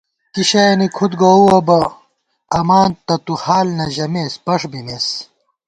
کِی شَیَنی کھُد گووُوَہ بہ، اماں تہ تُوحال نہ ژَمېس پݭ بِمېس